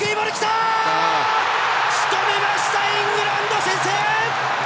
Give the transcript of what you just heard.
しとめました、イングランド先制！